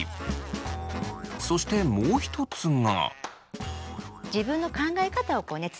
そしてもう一つが。